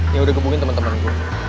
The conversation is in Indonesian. yang udah ngubungin temen temen gue